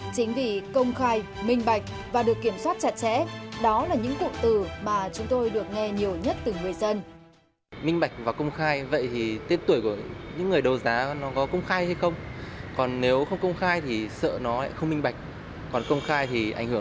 chính vì công khai minh bạch và được kiểm soát chặt chẽ đó là những cụm từ mà chúng tôi được nghe nhiều nhất từ người dân